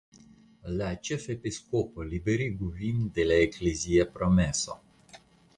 La ĉefepiskopo liberigu vin de la eklezia promeso.